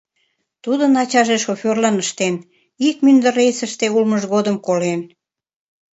Тудын ачаже шофёрлан ыштен, ик мӱндыр рейсыште улмыж годым колен.